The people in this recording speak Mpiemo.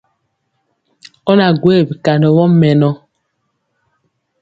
Ɔ na gwee bikandɔ vɔ mɛnɔ.